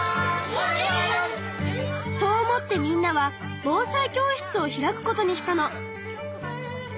そう思ってみんなは防災教室を開くことにしたの。